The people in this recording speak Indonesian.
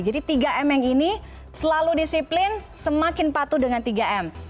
tiga m yang ini selalu disiplin semakin patuh dengan tiga m